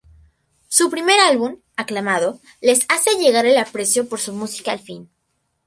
Su primer álbum, aclamado, les hace llegar el aprecio por su música al fin.